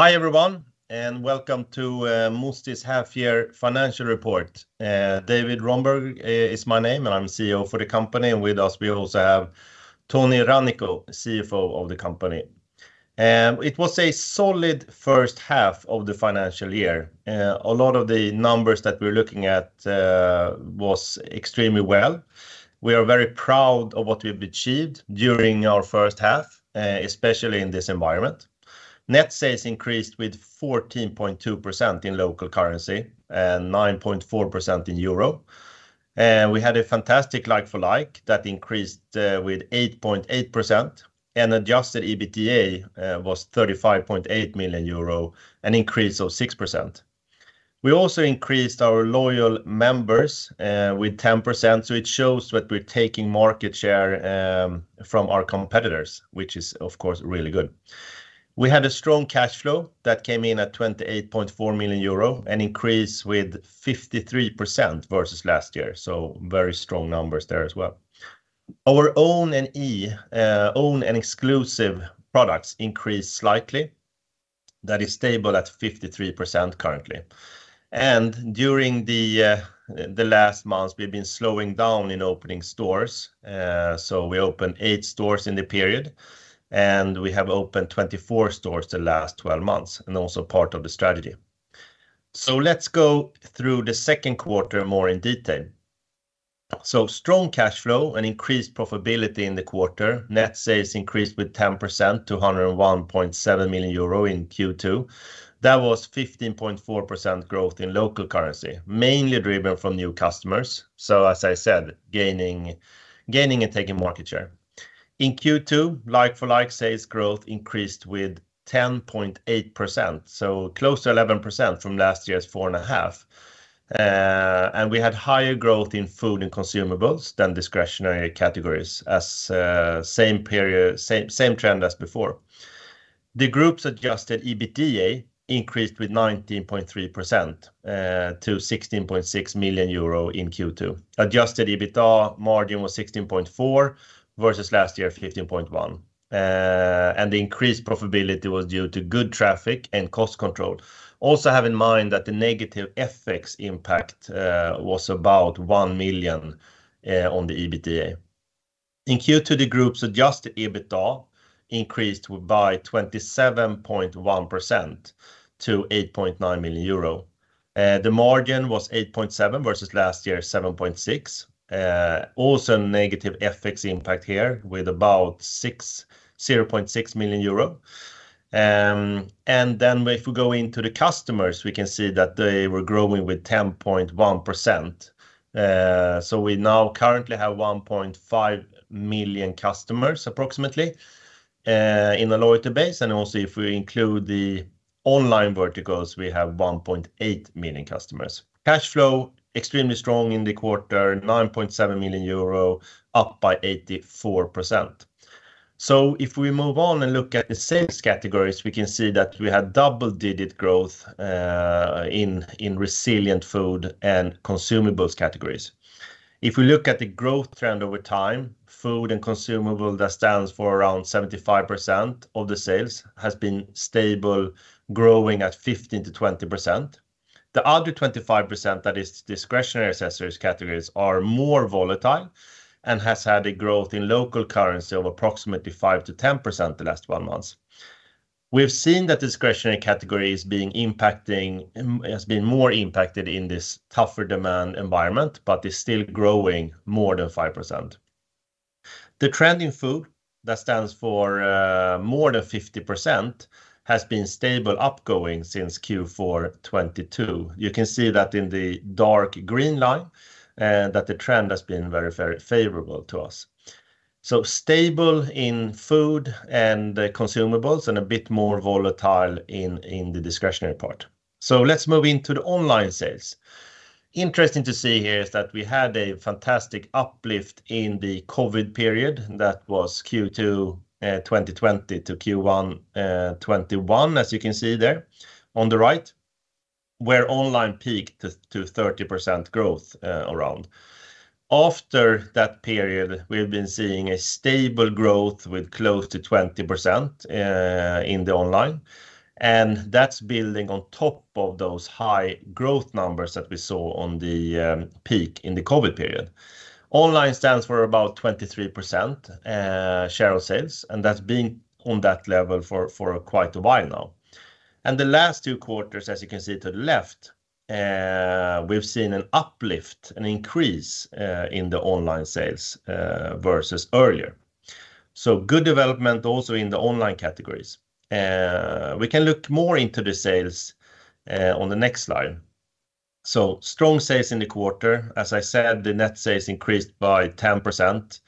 Hi everyone, welcome to Musti's half year financial report. David Rönnberg is my name, and I'm CEO for the company. With us we also have Toni Rannikko, CFO of the company. It was a solid first half of the financial year. A lot of the numbers that we're looking at was extremely well. We are very proud of what we've achieved during our first half, especially in this environment. Net sales increased with 14.2% in local currency and 9.4% in EUR. We had a fantastic like-for-like that increased with 8.8% and adjusted EBITDA was 35.8 million euro, an increase of 6%. We also increased our loyal members with 10%, so it shows that we're taking market share from our competitors, which is of course really good. We had a strong cash flow that came in at 28.4 million euro, an increase with 53% versus last year, so very strong numbers there as well. Our own and exclusive products increased slightly. That is stable at 53% currently. During the last months, we've been slowing down in opening stores. We opened eight stores in the period, and we have opened 24 stores the last 12 months and also part of the strategy. Let's go through the second quarter more in detail. Strong cash flow and increased profitability in the quarter. Net sales increased with 10% to 101.7 million euro in Q2. 15.4% growth in local currency, mainly driven from new customers. As I said, gaining and taking market share. In Q2, like-for-like sales growth increased with 10.8%, close to 11% from last year's 4.5%. We had higher growth in food and consumables than discretionary categories as same period, same trend as before. The Group's adjusted EBITDA increased with 19.3% to 16.6 million euro in Q2. Adjusted EBITDA margin was 16.4% versus last year 15.1%. The increased profitability was due to good traffic and cost control. Also have in mind that the negative FX impact was about 1 million on the EBITDA. In Q2, the group's adjusted EBITDA increased by 27.1% to 8.9 million euro. The margin was 8.7% versus last year 7.6%. Also negative FX impact here with about 0.6 million euro. If we go into the customers, we can see that they were growing with 10.1%. We now currently have 1.5 million customers approximately in the loyalty base. Also if we include the online verticals, we have 1.8 million customers. Cash flow extremely strong in the quarter, 9.7 million euro, up by 84%. If we move on and look at the sales categories, we can see that we had double-digit growth in resilient food and consumables categories. If we look at the growth trend over time, food and consumable that stands for around 75% of the sales has been stable, growing at 15%-20%. The other 25% that is discretionary accessories categories are more volatile and has had a growth in local currency of approximately 5%-10% the last 12 months. We've seen the discretionary categories has been more impacted in this tougher demand environment but is still growing more than 5%. The trend in food that stands for more than 50% has been stable upgoing since Q4 2022. You can see that in the dark green line that the trend has been very favorable to us. Stable in food and consumables and a bit more volatile in the discretionary part. Let's move into the online sales. Interesting to see here is that we had a fantastic uplift in the COVID period. That was Q2 2020 to Q1 2021, as you can see there on the right, where online peaked to 30% growth around. After that period, we've been seeing a stable growth with close to 20% in the online, and that's building on top of those high growth numbers that we saw on the peak in the COVID period. Online stands for about 23% share of sales, and that's been on that level for quite a while now. The last two quarters, as you can see to the left, we've seen an uplift, an increase in the online sales versus earlier. Good development also in the online categories. We can look more into the sales on the next slide. Strong sales in the quarter. As I said, the net sales increased by 10%.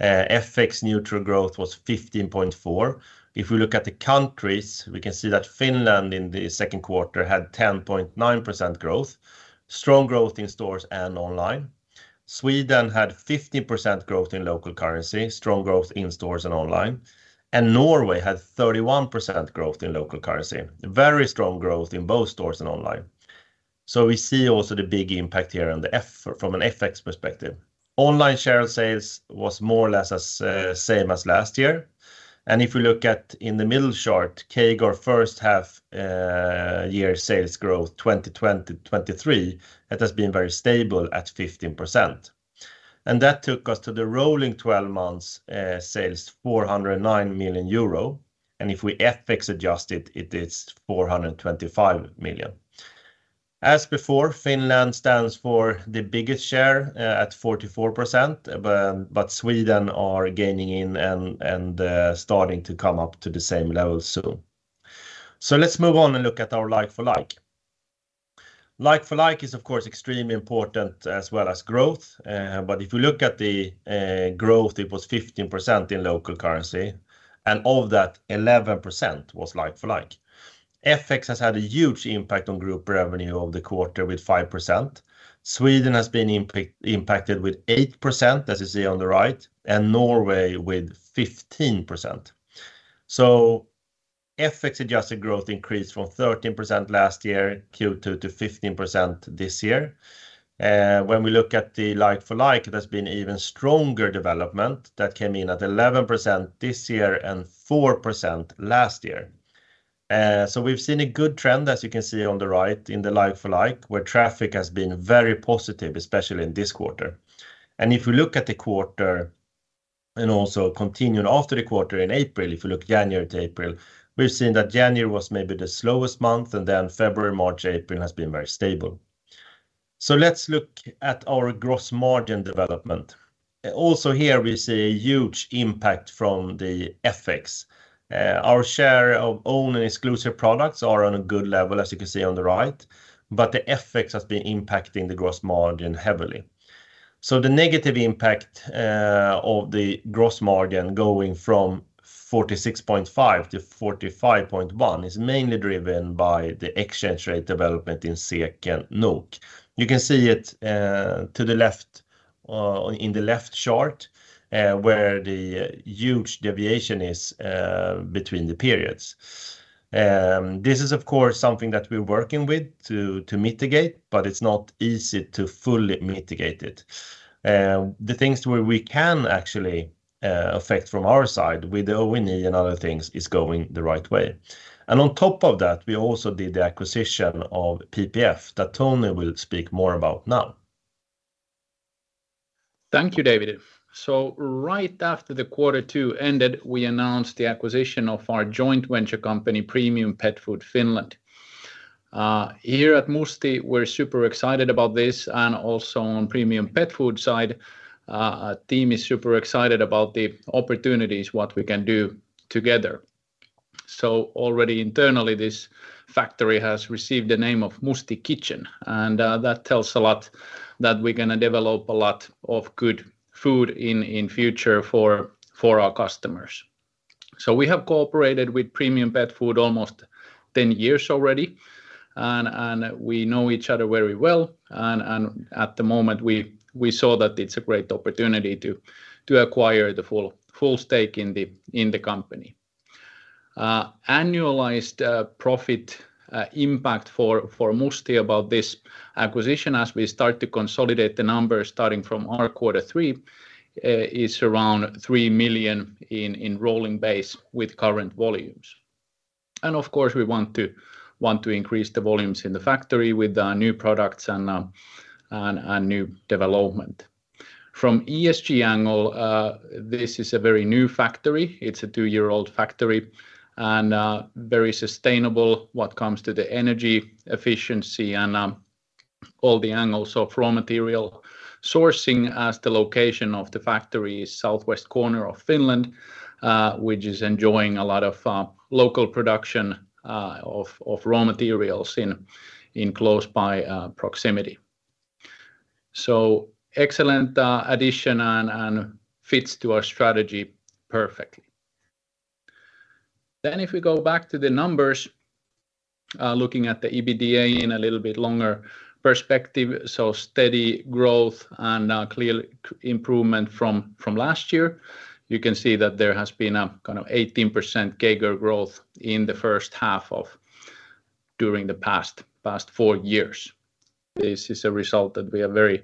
FX neutral growth was 15.4%. If we look at the countries, we can see that Finland in the second quarter had 10.9% growth, strong growth in stores and online. Sweden had 50% growth in local currency, strong growth in stores and online. Norway had 31% growth in local currency, very strong growth in both stores and online. We see also the big impact here from an FX perspective. Online share sales was more or less as same as last year. If we look at in the middle chart, CAGR first half year sales growth 2020-2023, it has been very stable at 15%. That took us to the rolling 12 months sales 409 million euro. If we FX adjust it is 425 million. As before, Finland stands for the biggest share at 44%, but Sweden are gaining in and starting to come up to the same level soon. Let's move on and look at our like-for-like. Like-for-like is of course extremely important as well as growth. But if you look at the growth, it was 15% in local currency, and of that 11% was like-for-like. FX has had a huge impact on group revenue over the quarter with 5%. Sweden has been impacted with 8%, as you see on the right, and Norway with 15%. FX-adjusted growth increased from 13% last year Q2 to 15% this year. When we look at the like-for-like, there's been even stronger development that came in at 11% this year and 4% last year. We've seen a good trend, as you can see on the right in the like-for-like, where traffic has been very positive, especially in this quarter. If you look at the quarter and also continuing after the quarter in April, if you look January to April, we've seen that January was maybe the slowest month, and then February, March, April has been very stable. Let's look at our gross margin development. Also here, we see a huge impact from the FX. Our share of own and exclusive products are on a good level, as you can see on the right, but the FX has been impacting the gross margin heavily. The negative impact of the gross margin going from 46.5% to 45.1% is mainly driven by the exchange rate development in SEK and NOK. You can see it to the left, in the left chart, where the huge deviation is between the periods. This is of course something that we're working with to mitigate, but it's not easy to fully mitigate it. The things where we can actually affect from our side with the O&E and other things is going the right way. On top of that, we also did the acquisition of PPF that Toni will speak more about now. Thank you, David. Right after the quarter two ended, we announced the acquisition of our joint venture company, Premium Pet Food Finland. Here at Musti, we're super excited about this and also on Premium Pet Food side, our team is super excited about the opportunities, what we can do together. Already internally, this factory has received the name of Musti Kitchen, and that tells a lot that we're gonna develop a lot of good food in future for our customers. We have cooperated with Premium Pet Food almost 10 years already, and we know each other very well. At the moment we saw that it's a great opportunity to acquire the full stake in the company. Annualized profit impact for Musti about this acquisition as we start to consolidate the numbers starting from our quarter three is around 3 million in rolling base with current volumes. Of course, we want to, want to increase the volumes in the factory with new products and and new development. From ESG angle, this is a very new factory. It's a two-year-old factory and very sustainable what comes to the energy efficiency and all the angles of raw material sourcing as the location of the factory is southwest corner of Finland, which is enjoying a lot of local production of raw materials in close by proximity. Excellent addition and and fits to our strategy perfectly. If we go back to the numbers, looking at the EBITDA in a little bit longer perspective, steady growth and a clear improvement from last year. You can see that there has been a kind of 18% CAGR growth in the first half of during the past four years. This is a result that we are very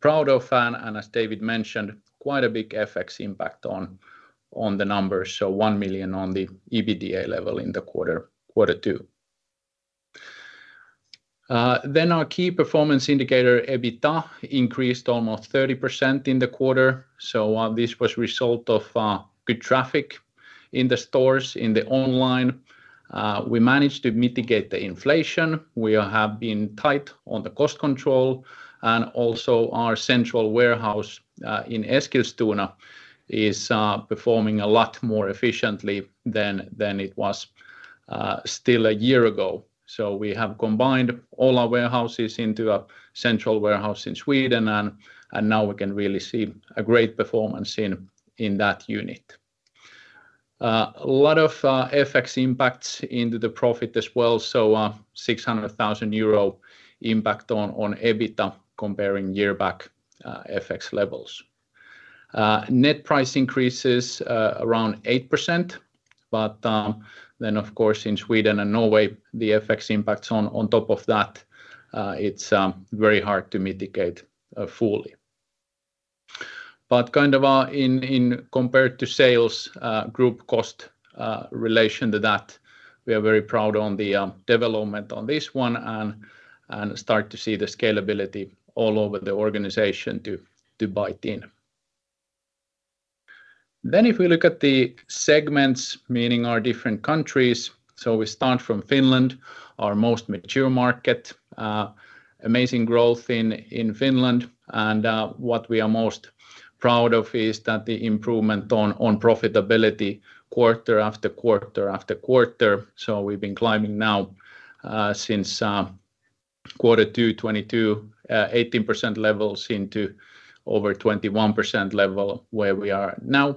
proud of and as David mentioned, quite a big FX impact on the numbers, so 1 million on the EBITDA level in the quarter 2. Our key performance indicator, EBITDA, increased almost 30% in the quarter. This was result of good traffic in the stores, in the online. We managed to mitigate the inflation. We have been tight on the cost control and also our central warehouse in Eskilstuna is performing a lot more efficiently than it was still a year ago. We have combined all our warehouses into a central warehouse in Sweden, and now we can really see a great performance in that unit. A lot of FX impacts into the profit as well. 600,000 euro impact on EBITDA comparing year back FX levels. Net price increases around 8%. Then of course, in Sweden and Norway, the FX impacts on top of that, it's very hard to mitigate fully. Kind of, in compared to sales, group cost, relation to that, we are very proud on the development on this one and start to see the scalability all over the organization to bite in. If we look at the segments, meaning our different countries. We start from Finland, our most mature market. Amazing growth in Finland, and what we are most proud of is that the improvement on profitability quarter after quarter after quarter. We've been climbing now since quarter two 2022, 18% levels into over 21% level where we are now,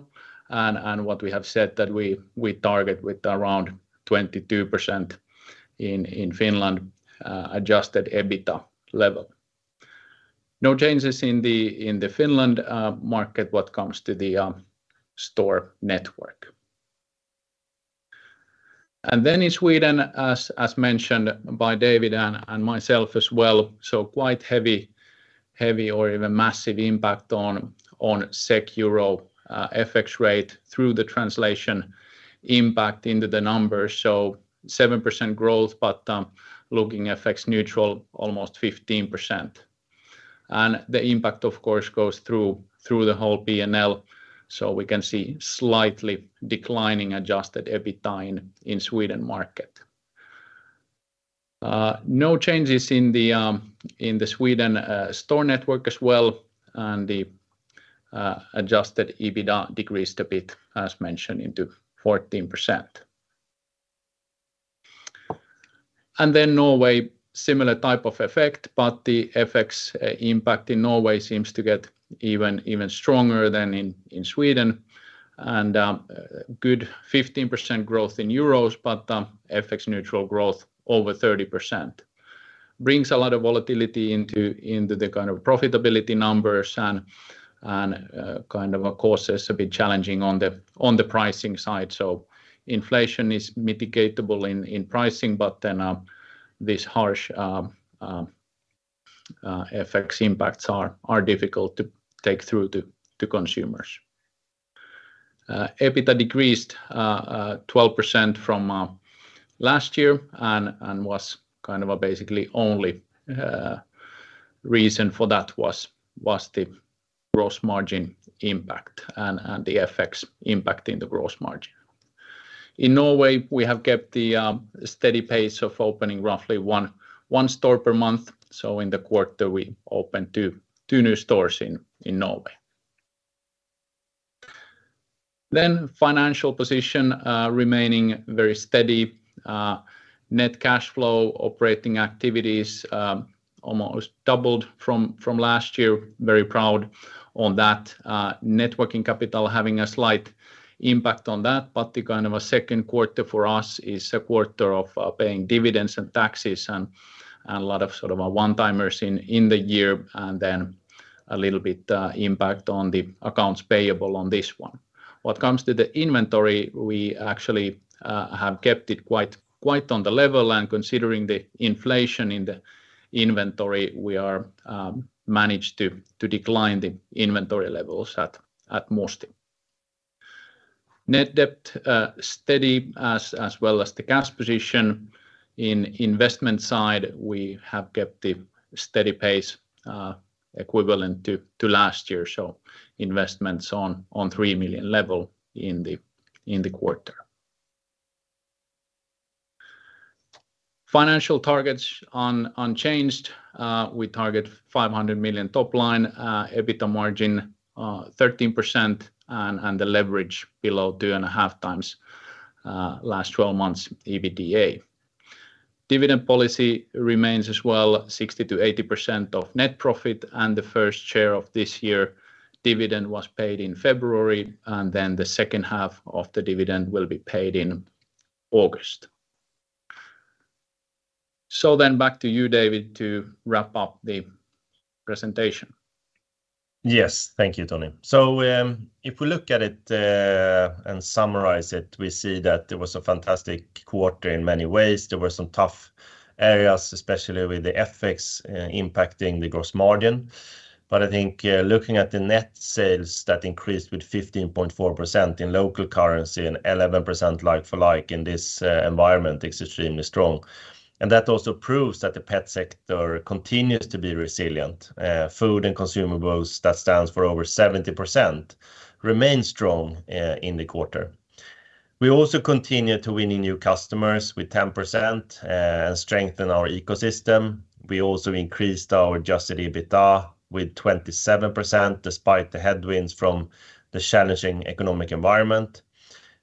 and what we have said that we target with around 22% in Finland, adjusted EBITDA level. No changes in the Finland market when it comes to the store network. In Sweden, as mentioned by David Rönnberg and myself as well, quite heavy or even massive impact on SEK EUR FX rate through the translation impact into the numbers. 7% growth, looking FX neutral almost 15%. The impact, of course, goes through the whole P&L. We can see slightly declining adjusted EBITDA in Sweden market. No changes in the Sweden store network as well, adjusted EBITDA decreased a bit, as mentioned, into 14%. Norway, similar type of effect, but the FX impact in Norway seems to get even stronger than in Sweden. Good 15% growth in EUR, FX neutral growth over 30%. Brings a lot of volatility into the kind of profitability numbers and kind of causes a bit challenging on the pricing side. Inflation is mitigatable in pricing, but FX impacts are difficult to take through to consumers. EBITDA decreased 12% from last year and was kind of a basically only reason for that was the gross margin impact and the FX impact in the gross margin. In Norway, we have kept the steady pace of opening roughly one store per month. In the quarter, we opened two new stores in Norway. Financial position remaining very steady. Net cash flow operating activities almost doubled from last year. Very proud on that. Net working capital having a slight impact on that. The kind of a second quarter for us is a quarter of paying dividends and taxes and a lot of sort of one-timers in the year and then a little bit impact on the accounts payable on this one. What comes to the inventory, we actually have kept it quite on the level and considering the inflation in the inventory, we are managed to decline the inventory levels at Musti. Net debt, steady as well as the cash position. In investment side, we have kept the steady pace equivalent to last year. Investments on 3 million level in the quarter. Financial targets unchanged. We target 500 million top line, EBITDA margin 13% and the leverage below 2.5 times last 12 months EBITDA. Dividend policy remains as well 60%-80% of net profit, and the first share of this year dividend was paid in February, and then the second half of the dividend will be paid in August. Back to you, David, to wrap up the presentation. Yes. Thank you, Toni. If we look at it and summarize it, we see that it was a fantastic quarter in many ways. There were some tough areas, especially with the FX impacting the gross margin. I think looking at the net sales that increased with 15.4% in local currency and 11% like-for-like in this environment is extremely strong. That also proves that the pet sector continues to be resilient. Food and consumables that stands for over 70% remain strong in the quarter. We also continue to winning new customers with 10% and strengthen our ecosystem. We also increased our adjusted EBITDA with 27% despite the headwinds from the challenging economic environment.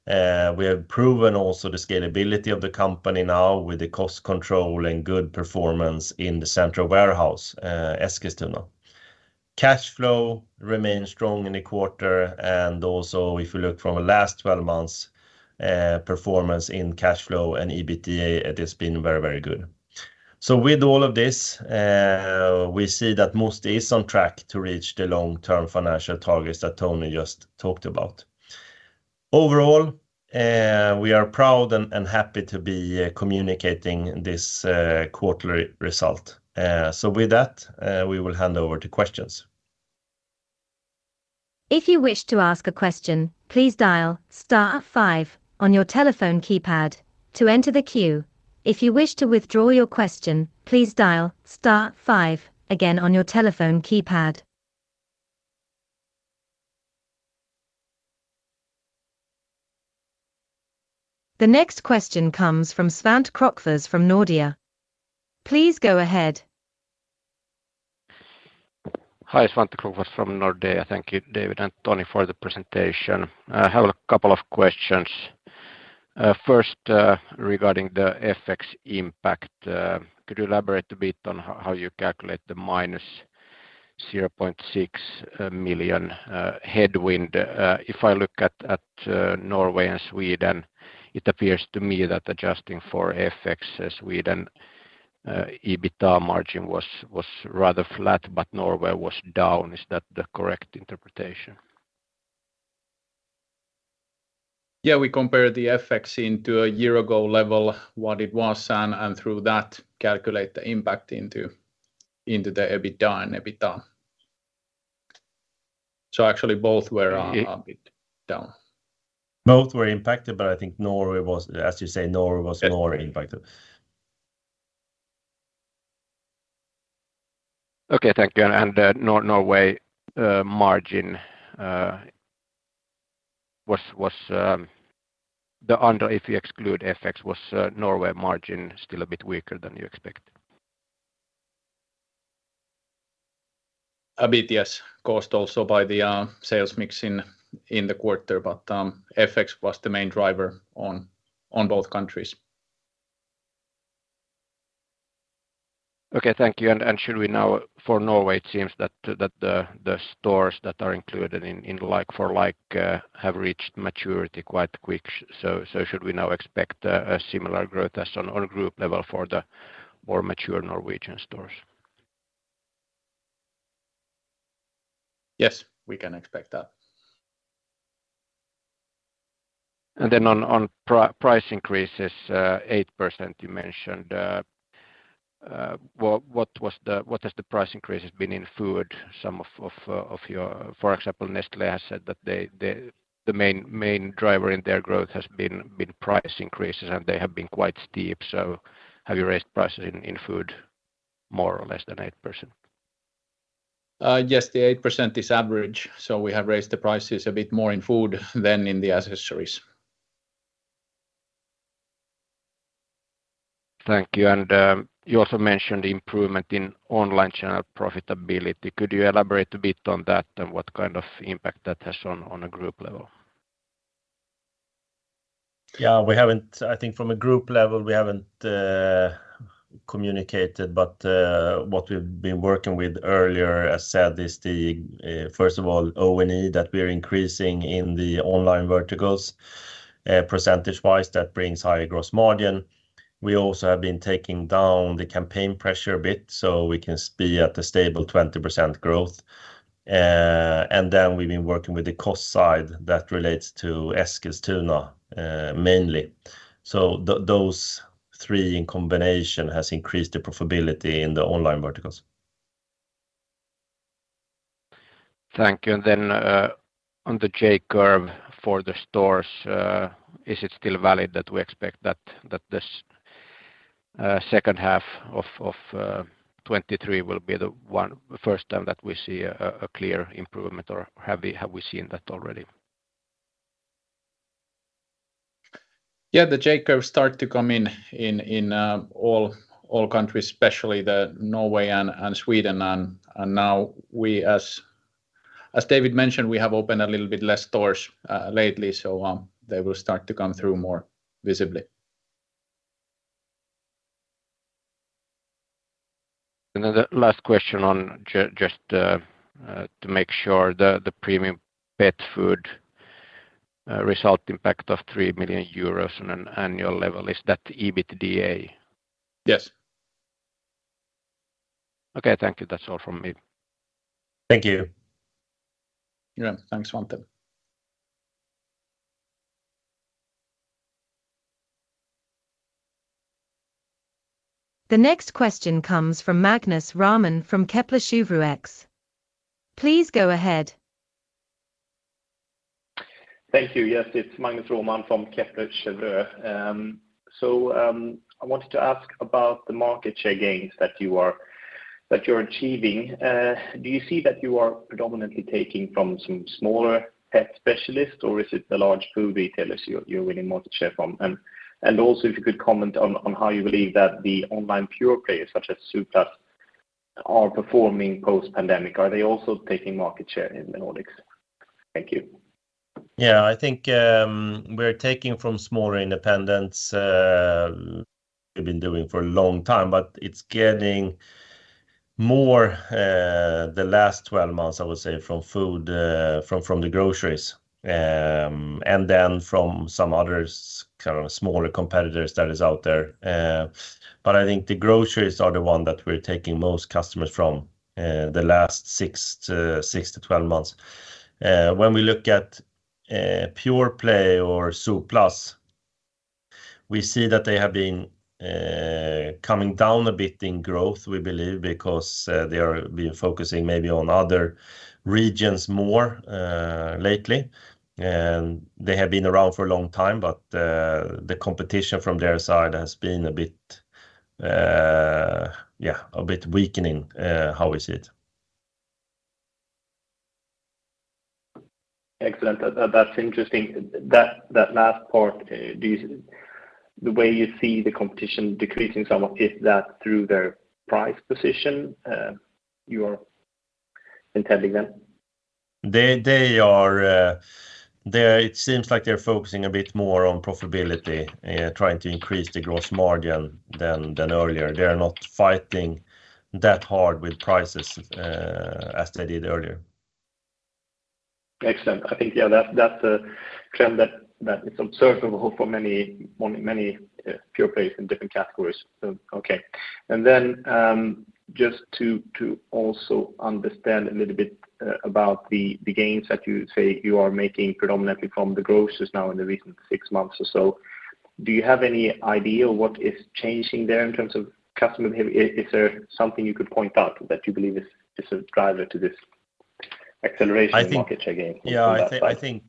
We have proven also the scalability of the company now with the cost control and good performance in the central warehouse, Eskilstuna. Cash flow remains strong in the quarter and also if you look from the last 12 months, performance in cash flow and EBITDA, it has been very, very good. With all of this, we see that Musti is on track to reach the long-term financial targets that Toni just talked about. Overall, we are proud and happy to be communicating this quarterly result. With that, we will hand over to questions. If you wish to ask a question, please dial star five on your telephone keypad to enter the queue. If you wish to withdraw your question, please dial star five again on your telephone keypad. The next question comes from Svante Krokfors from Nordea. Please go ahead. Hi. Svante Krokfors from Nordea. Thank you, David and Toni, for the presentation. I have a couple of questions. First, regarding the FX impact. Could you elaborate a bit on how you calculate the -0.6 million headwind? If I look at Norway and Sweden, it appears to me that adjusting for FX as we then, EBITDA margin was rather flat but Norway was down. Is that the correct interpretation? Yeah. We compare the FX into a year ago level, what it was and through that calculate the impact into the EBITDA and EBITDA. Actually both were a bit down. Both were impacted, but I think Norway was. As you say, Norway was more impacted. Okay. Thank you. Norway margin was the under, if you exclude FX, was Norway margin still a bit weaker than you expect? A bit, yes. Caused also by the sales mix in the quarter. FX was the main driver on both countries. Okay. Thank you. For Norway it seems that the stores that are included in like-for-like have reached maturity quite quick. Should we now expect a similar growth as on all group level for the more mature Norwegian stores? Yes. We can expect that. On price increases, 8% you mentioned. What has the price increases been in food? Some of your, for example, Nestlé has said that they, the main driver in their growth has been price increases and they have been quite steep. Have you raised prices in food more or less than 8%? Yes. The 8% is average, so we have raised the prices a bit more in food than in the accessories. Thank you. You also mentioned improvement in online channel profitability. Could you elaborate a bit on that and what kind of impact that has on a group level? Yeah. We haven't... I think from a group level we haven't communicated, but what we've been working with earlier as said is first of all O&E that we're increasing in the online verticals. Percentage wise that brings higher gross margin. We also have been taking down the campaign pressure a bit so we can be at the stable 20% growth. We've been working with the cost side that relates to Eskilstuna mainly. Those three in combination has increased the profitability in the online verticals. Thank you. On the J curve for the stores, is it still valid that we expect that this second half of 2023 will be the first time that we see a clear improvement or have we seen that already? Yeah. The J curve start to come in all countries, especially the Norway and Sweden. Now we, as David mentioned, we have opened a little bit less stores lately. They will start to come through more visibly. The last question on just to make sure the Premium Pet Food result impact of 3 million euros on an annual level, is that the EBITDA? Yes. Okay. Thank you. That's all from me. Thank you. Yeah. Thanks, Svante. The next question comes from Magnus Råman from Kepler Cheuvreux. Please go ahead. Thank you. Yes. It's Magnus Råman from Kepler Cheuvreux. So, I wanted to ask about the market share gains that you're achieving. Do you see that you are predominantly taking from some smaller pet specialists or is it the large food retailers you're winning market share from? Also if you could comment on how you believe that the online pure players such as Zooplus are performing post pandemic. Are they also taking market share in the Nordics? Thank you. Yeah. I think, we're taking from smaller independents, we've been doing for a long time. It's getting more the last 12 months I would say from food, from the groceries, and then from some other kind of smaller competitors that is out there. I think the groceries are the one that we're taking most customers from. The last six to 12 months. When we look at Pure Play or Zooplus, we see that they have been coming down a bit in growth, we believe, because they are being focusing maybe on other regions more lately. They have been around for a long time, but the competition from their side has been a bit, yeah, a bit weakening, how is it. Excellent. That's interesting. That last part, the way you see the competition decreasing somewhat, is that through their price position, you are intending them? It seems like they're focusing a bit more on profitability, trying to increase the gross margin than earlier. They are not fighting that hard with prices, as they did earlier. Excellent. I think, yeah, that's a trend that is observable for many Pure Plays in different categories. Okay. Then, just to also understand a little bit about the gains that you say you are making predominantly from the grocers now in the recent six months or so. Do you have any idea what is changing there in terms of customer? Is there something you could point out that you believe is a driver to this acceleration in market share gain from that side?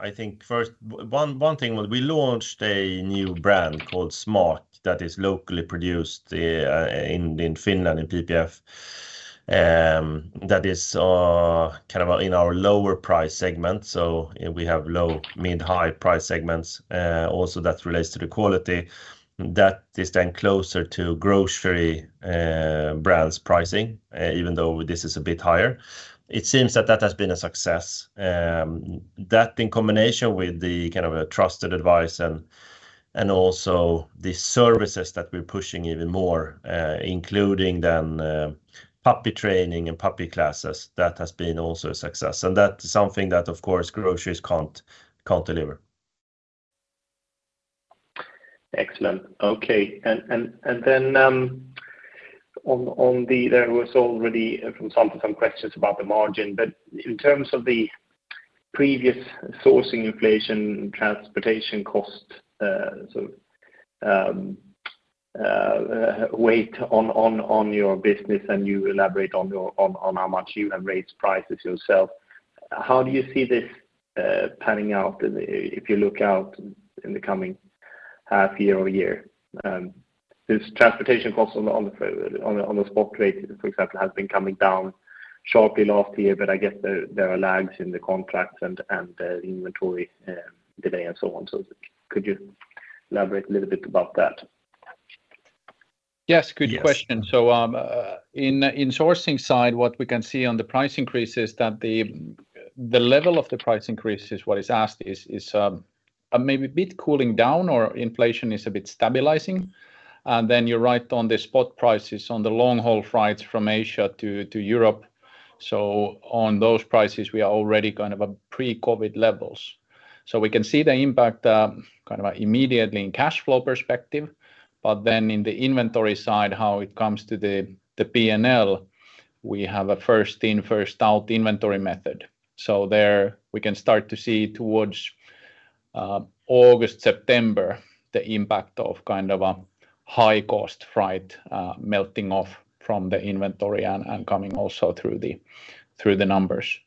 I think one thing was we launched a new brand called Smart that is locally produced in Finland, in PPF. That is kind of in our lower price segment. So we have low, mid, high price segments. Also that relates to the quality. That is then closer to grocery brands pricing, even though this is a bit higher. It seems that that has been a success. That in combination with the kind of a trusted advice and also the services that we're pushing even more, including then puppy training and puppy classes, that has been also a success. That's something that, of course, grocers can't deliver. Excellent. Okay. There was already from some questions about the margin. In terms of the previous sourcing inflation, transportation cost, so weight on your business and you elaborate on how much you have raised prices yourself, how do you see this panning out if you look out in the coming half year or a year? This transportation cost on the spot rate, for example, has been coming down shortly last year, but I guess there are lags in the contracts and the inventory delay and so on. Could you elaborate a little bit about that? Yes, good question. Yes. In sourcing side, what we can see on the price increase is that the level of the price increase is what is asked is maybe a bit cooling down or inflation is a bit stabilizing. You're right on the spot prices on the long-haul flights from Asia to Europe. On those prices, we are already kind of a pre-COVID levels. We can see the impact kind of immediately in cash flow perspective. In the inventory side, how it comes to the P&L, we have a first in, first out inventory method. There we can start to see towards August, September, the impact of kind of a high cost flight melting off from the inventory and coming also through the numbers.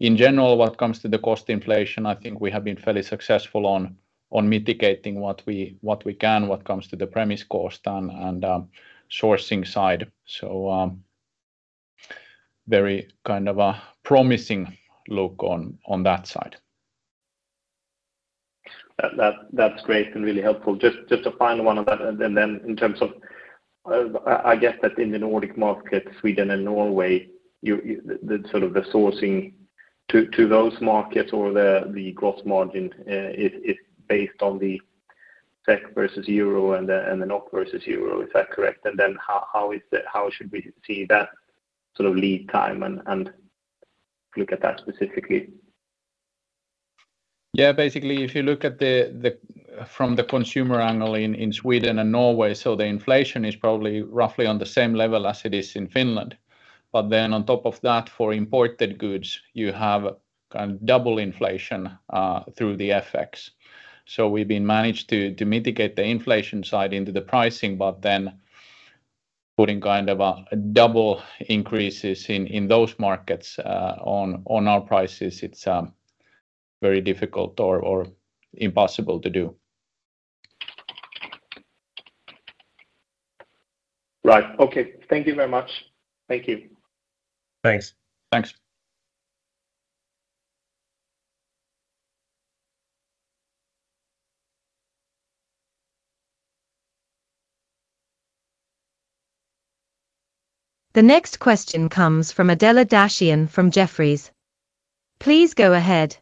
In general, what comes to the cost inflation, I think we have been fairly successful on mitigating what we can, what comes to the premise cost and sourcing side. Very kind of a promising look on that side. That's great and really helpful. Just a final one on that. Then in terms of, I get that in the Nordic market, Sweden and Norway. The sort of the sourcing to those markets or the gross margin is based on the SEK versus euro and the NOK versus euro. Is that correct? Then how is the, how should we see that sort of lead time and look at that specifically? Basically, if you look at the from the consumer angle in Sweden and Norway, the inflation is probably roughly on the same level as it is in Finland. On top of that, for imported goods, you have kind of double inflation through the FX. We've been managed to mitigate the inflation side into the pricing, but then putting kind of a double increases in those markets on our prices, it's very difficult or impossible to do. Right. Okay. Thank you very much. Thank you. Thanks. Thanks. The next question comes from Adela Dashian from Jefferies. Please go ahead.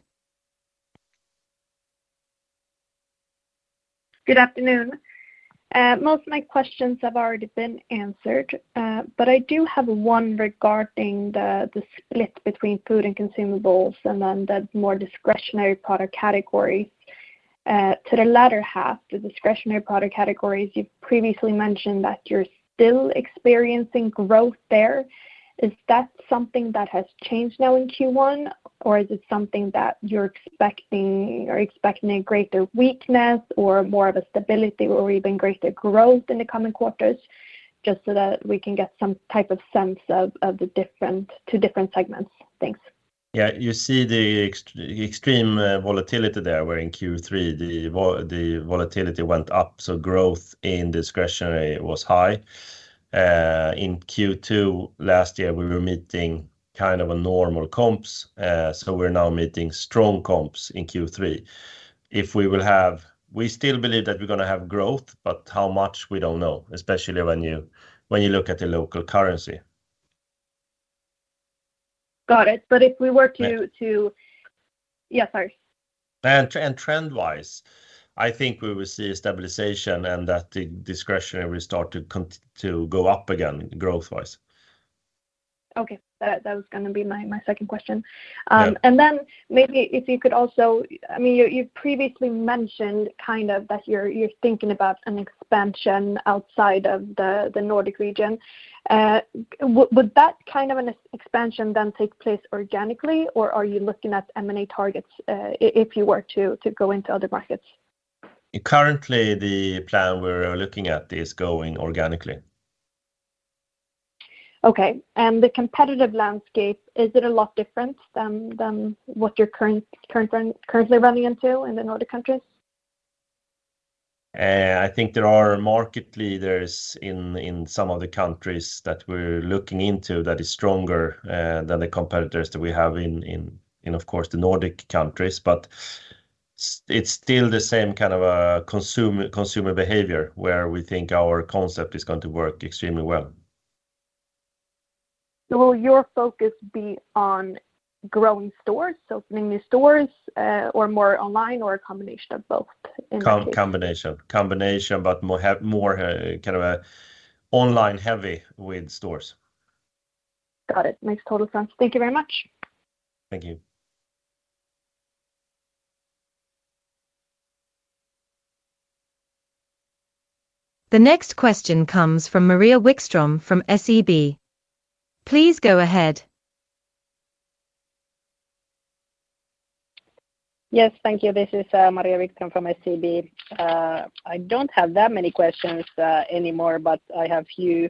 Good afternoon. Most of my questions have already been answered, but I do have one regarding the split between food and consumables and then the more discretionary product category. To the latter half, the discretionary product categories, you've previously mentioned that you're still experiencing growth there. Is that something that has changed now in Q1, or is it something that you're expecting or expecting a greater weakness or more of a stability or even greater growth in the coming quarters? Just so that we can get some type of sense of the different, two different segments. Thanks. Yeah. You see the extreme volatility there, where in Q3 the volatility went up. Growth in discretionary was high. In Q2 last year we were meeting kind of a normal comps. We're now meeting strong comps in Q3. We still believe that we're gonna have growth, but how much we don't know, especially when you, when you look at the local currency. Got it. if we were. Yeah Yeah, sorry. Trend-wise, I think we will see a stabilization and that the discretionary will start to go up again growth-wise. Okay. That was gonna be my second question. Yeah Maybe if you could also, I mean, you've previously mentioned kind of that you're thinking about an expansion outside of the Nordic region. Would that kind of an expansion then take place organically or are you looking at M&A targets if you were to go into other markets? Currently the plan we're looking at is going organically. Okay. The competitive landscape, is it a lot different than what you're currently running into in the Nordic countries? I think there are market leaders in some of the countries that we're looking into that is stronger than the competitors that we have in of course the Nordic countries. It's still the same kind of a consumer behavior where we think our concept is going to work extremely well. Will your focus be on growing stores, so opening new stores, or more online or a combination of both in this case? Combination. Combination, more kind of a online heavy with stores. Got it. Makes total sense. Thank you very much. Thank you. The next question comes from Maria Wikström from SEB. Please go ahead. Yes. Thank you. This is Maria Wikström from SEB. I don't have that many questions anymore, but I have a few.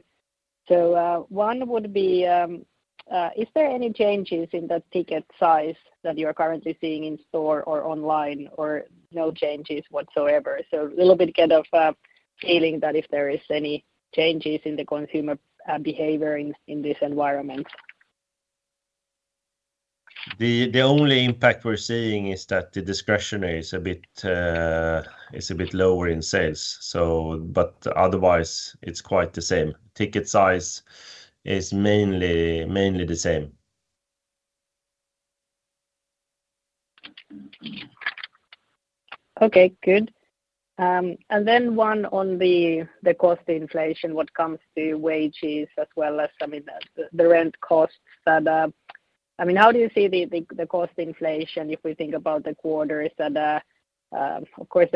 One would be, is there any changes in the ticket size that you're currently seeing in store or online, or no changes whatsoever? Little bit kind of feeling that if there is any changes in the consumer behavior in this environment. The only impact we're seeing is that the discretionary is a bit lower in sales. Otherwise it's quite the same. Ticket size is mainly the same. Okay, good. One on the cost inflation what comes to wages as well as, I mean, the rent costs that. I mean, how do you see the cost inflation if we think about the quarters? Of course,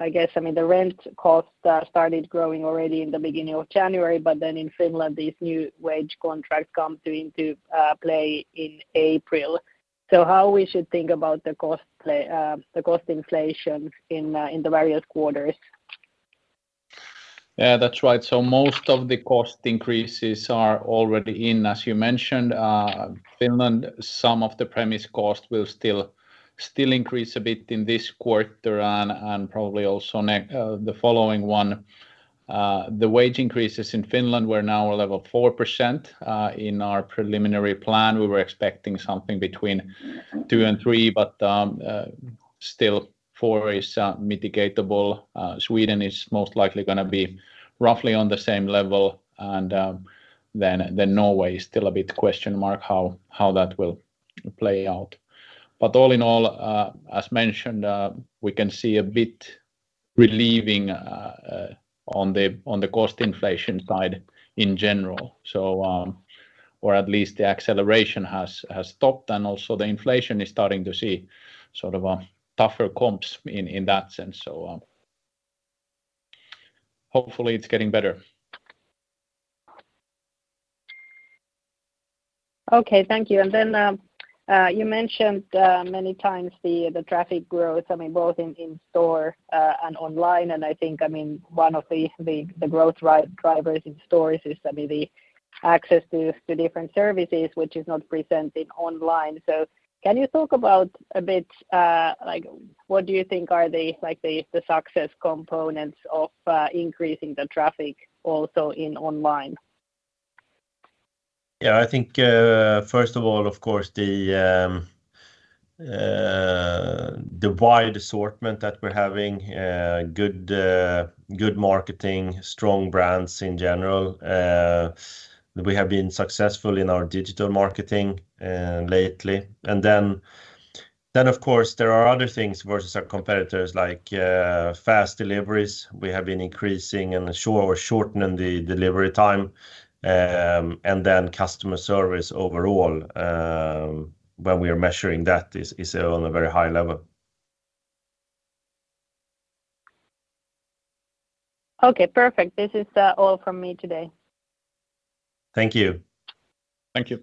I guess, I mean, the rent costs started growing already in the beginning of January. In Finland, these new wage contracts come into play in April. How we should think about the cost inflation in the various quarters? Yeah, that's right. Most of the cost increases are already in. As you mentioned, Finland, some of the premise cost will still increase a bit in this quarter and probably also the following one. The wage increases in Finland were now level 4%. In our preliminary plan we were expecting something between 2% and 3%, but still 4% is mitigatable. Sweden is most likely gonna be roughly on the same level and then Norway is still a bit question mark how that will play out. All in all, as mentioned, we can see a bit relieving on the cost inflation side in general. At least the acceleration has stopped and also the inflation is starting to see sort of a tougher comps in that sense. Hopefully it's getting better. Okay, Thank you, you mentioned many times the traffic growth, I mean, both in store and online, and I think, I mean, one of the growth drivers in stores is maybe access to different services which is not presented online. So can you talk about a bit like what do you think are the like the success components of increasing the traffic also in online? Yeah. I think, first of all, of course, the wide assortment that we're having, good marketing, strong brands in general. We have been successful in our digital marketing lately. Then of course there are other things versus our competitors like fast deliveries. We have been increasing and sure we're shortening the delivery time. Then customer service overall, when we are measuring that is on a very high level. Okay. Perfect. This is all from me today. Thank you. Thank you.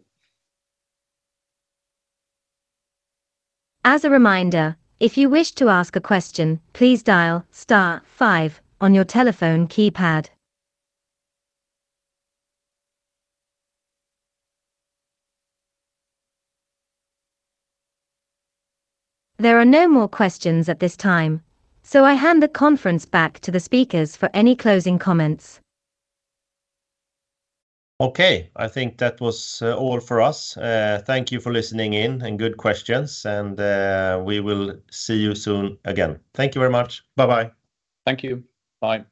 As a reminder, if you wish to ask a question, please dial star five on your telephone keypad. There are no more questions at this time, so I hand the conference back to the speakers for any closing comments. Okay. I think that was, all for us. Thank you for listening in and good questions and we will see you soon again. Thank you very much. Bye-bye. Thank you. Bye.